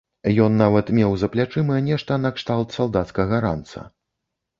Ён нават меў за плячыма нешта накшталт салдацкага ранца.